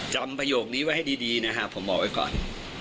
ประโยคนี้ไว้ให้ดีนะครับผมบอกไว้ก่อน